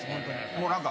もう何か。